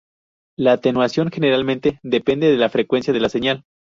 La atenuación generalmente depende de la frecuencia de la señal.